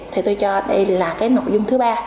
thì tôi cho đây là cái nội dung thứ ba